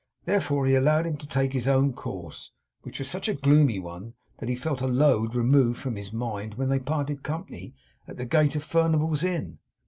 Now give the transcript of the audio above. Therefore he allowed him to take his own course; which was such a gloomy one, that he felt a load removed from his mind when they parted company at the gate of Furnival's Inn.